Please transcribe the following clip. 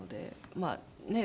まあねえ